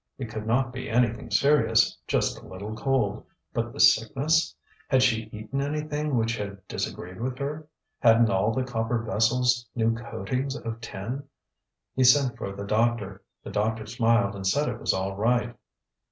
It could not be anything serious, just a little cold. But this sickness? Had she eaten anything which had disagreed with her? HadnŌĆÖt all the copper vessels new coatings of tin? He sent for the doctor. The doctor smiled and said it was all right.